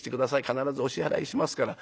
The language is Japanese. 必ずお支払いしますから。